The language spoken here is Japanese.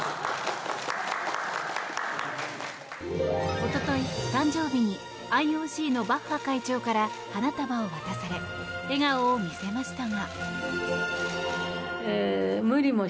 一昨日、誕生日にＩＯＣのバッハ会長から花束を渡され笑顔を見せましたが。